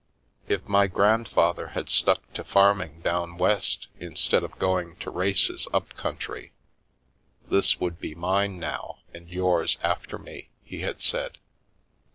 " If my grandfather had Stuck to farming down West instead of going to races up country, this would be mine now and yours after me," he had said.